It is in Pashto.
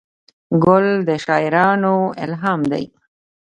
ګل د شاعرانو الهام دی.